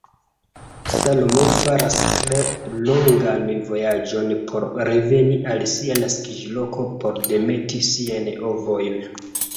Salmo faras tre longan vojaĝon por reveni al sia naskiĝloko por demeti siajn ovojn.